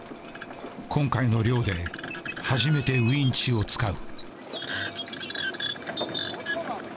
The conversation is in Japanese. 今回の漁で初めてウインチを使う。